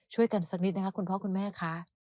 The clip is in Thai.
ช่วยกันสักนิดนะคะคุณพ่อคุณแม่ค่ะ